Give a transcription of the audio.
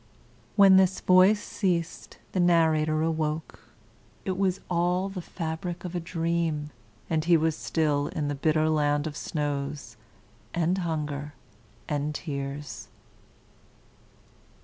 When this voice ceased, the narrator awoke. It was all the fabric of a dream, and he was still in the bitter land of snows, and hunger, and tears.